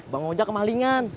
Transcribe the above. bang moja kemalingan